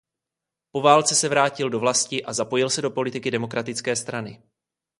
Po válce se vrátil do vlasti a zapojil se do politiky Demokratické strany.